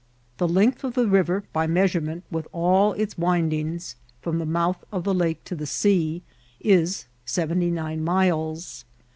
The length of the river, by measurement, with all its windings, from the mouth of the lake to the sea, is seventy nine miles.